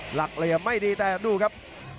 หลักเหลี่ยมไม่ดีแต่ดูครับ